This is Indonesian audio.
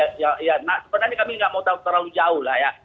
sebenarnya kami tidak mau tahu terlalu jauh lah ya